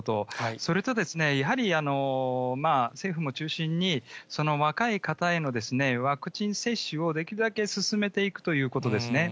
それと、やはり、政府も中心に、若い方へのワクチン接種をできるだけ進めていくということですね。